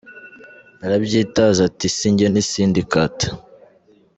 Arabyitaza ati si jye ni syndicat.